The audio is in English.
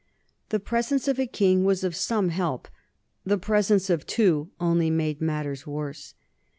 The presence of a king was of some help, the presence of two only made matters worse.